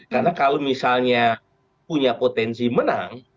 karena kalau misalnya punya potensi menang